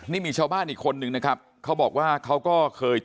นี่มีชาวบ้านอีกคนนึงนะครับเขาบอกว่าเขาก็เคยเจอ